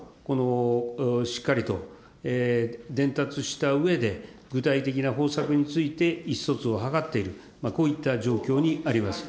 これを今、地方組織にもしっかりと伝達したうえで、具体的な方策について意思疎通を図っている、こういった状況にあります。